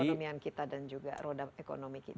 perekonomian kita dan juga roda ekonomi kita